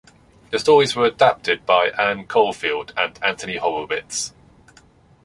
The stories were adapted by Anne Caulfield and Anthony Horowitz.